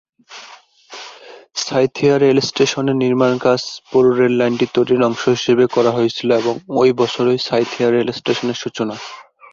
সাঁইথিয়া রেলস্টেশনের নির্মাণ কাজ পুরো রেল লাইনটি তৈরির অংশ হিসাবে করা হয়েছিল এবং ওই বছরই সাঁইথিয়া রেল স্টেশনের সূচনা।